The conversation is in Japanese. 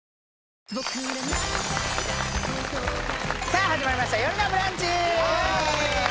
さあ始まりました「よるのブランチ」